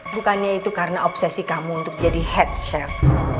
bukannya itu karena obsesi kamu untuk jadi head chef